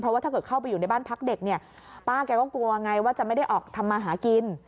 เพราะว่าถ้าเกิดเข้าไปอยู่ในบ้านพักเด็กเนี่ยป้าแกก็กลัวไงว่าจะไม่ได้ออกทำมาหากิน